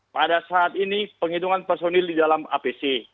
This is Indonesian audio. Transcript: pada saat ini penghitungan personil di dalam apc